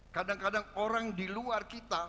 kadang kadang orang di luar kita